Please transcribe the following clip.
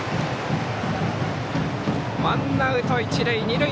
ワンアウト、一塁二塁。